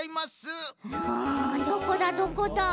んどこだどこだ？